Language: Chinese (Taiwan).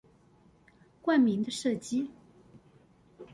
冠名的設計